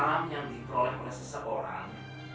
harta haram yang diperoleh oleh seseorang